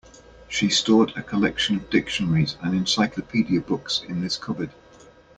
She stored a collection of dictionaries and encyclopedia books in this cupboard.